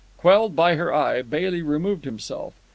Quelled by her eye, Bailey removed himself.